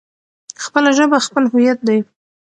خپله ژبه خپله هويت دی.